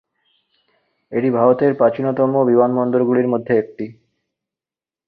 এটি ভারতের প্রাচীনতম বিমানবন্দরগুলির মধ্যে একটি।